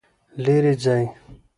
لیرې ځئ